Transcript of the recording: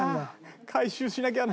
回収しなきゃな。